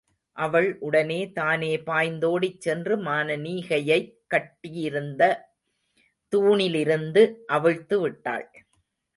அவள் உடனே தானே பாய்ந்தோடிச் சென்று மானனீகையைக் கட்டியிருந்த தூணிலிருந்து அவிழ்த்து விட்டாள்.